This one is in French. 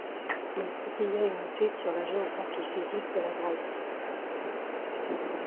Il publia une étude sur la géographie physique de la Grèce.